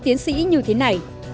tiến sĩ như thế này